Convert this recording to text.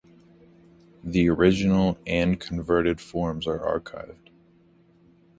The original and converted forms are archived.